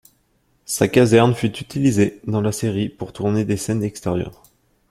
Sa caserne fut utilisée dans la série pour tourner des scènes extérieures.